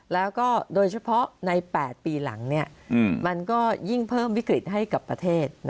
แล้วก็โดยเฉพาะใน๘ปีหลังมันก็ยิ่งเพิ่มวิกฤตให้กับประเทศ